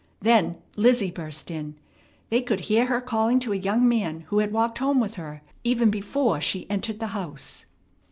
Then Lizzie burst in. They could hear her calling to a young man who had walked home with her, even before she entered the house.